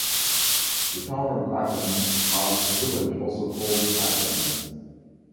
The town of Athens has a village also called Athens.